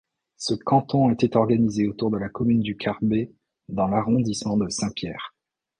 Ce canton était organisé autour de la commune du Carbet dans l'arrondissement de Saint-Pierre.